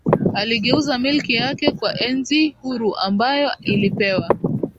aligeuza milki yake kuwa enzi huru ambayo ilipewa